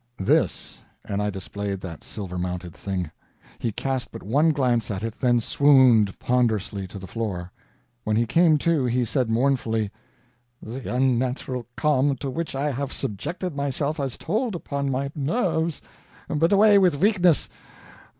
"This!" and I displayed that silver mounted thing. He cast but one glance at it, then swooned ponderously to the floor. When he came to, he said mournfully: "The unnatural calm to which I have subjected myself has told upon my nerves. But away with weakness!